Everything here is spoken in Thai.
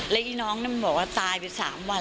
แล้วอีน้องนั้นบอกว่าตายไป๓วัน